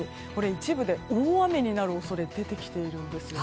一部で大雨になる恐れが出てきているんです。